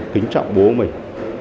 tính trọng bố mình